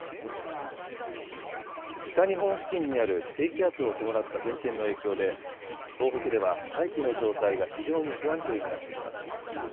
北日本付近にある低気圧を伴った前線の影響で東北では大気の状態が非常に不安定になっています。